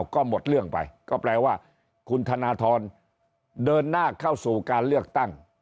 ก็หมดเรื่องไปก็แปลว่าคุณธนทรเดินหน้าเข้าสู่การเลือกตั้ง